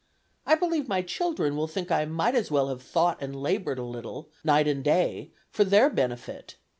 I believe my children will think I might as well have thought and labored a little, night and day, for their benefit.